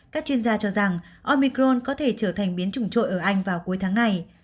các chuyên gia cho rằng omicron có thể trở thành biến chủng trội ở anh vào cuối tháng này